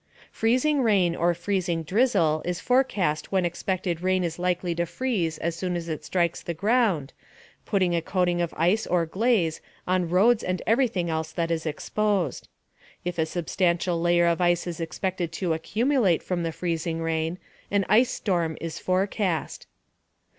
Freezing rain or freezing drizzle is forecast when expected rain is likely to freeze as soon as it strikes the ground, putting a coating of ice or glaze on roads and everything else that is exposed. If a substantial layer of ice is expected to accumulate from the freezing rain, an ice storm is forecast.